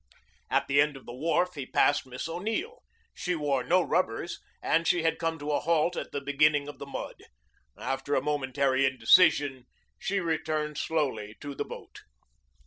At the end of the wharf he passed Miss O'Neill. She wore no rubbers and she had come to a halt at the beginning of the mud. After a momentary indecision she returned slowly to the boat.